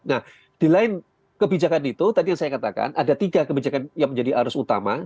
nah di lain kebijakan itu tadi yang saya katakan ada tiga kebijakan yang menjadi arus utama